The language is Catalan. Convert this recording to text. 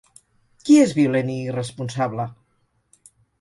Qui és violent i irresponsable?